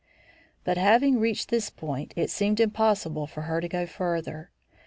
But, having reached this point, it seemed impossible for her to go farther.